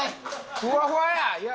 ふわふわや！